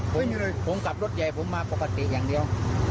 ผมกับรถใหญ่ผมมาปกติอย่างเดียว